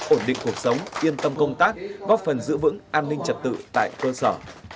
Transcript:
ổn định cuộc sống yên tâm công tác góp phần giữ vững an ninh trật tự tại cơ sở